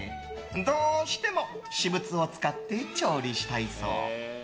どうしても私物を使って調理したいそう。